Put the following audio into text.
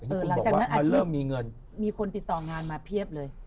หลังจากนั้นอาชีพมีคนติดต่องานมาเพียบเลย